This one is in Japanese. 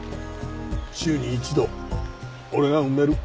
週に一度俺が埋める。